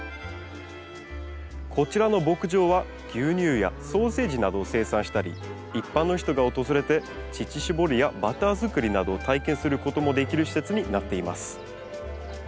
こちらの牧場は牛乳やソーセージなどを生産したり一般の人が訪れて乳搾りやバター作りなどを体験することもできる施設になっています。